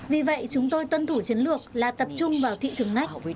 vì vậy chúng tôi tuân thủ chiến lược là tập trung vào thị trường ngách